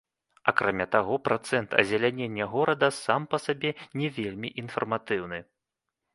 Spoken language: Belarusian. Акрамя таго, працэнт азелянення горада сам па сабе не вельмі інфарматыўны.